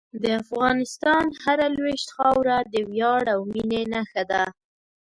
د افغانستان هره لویشت خاوره د ویاړ او مینې نښه ده.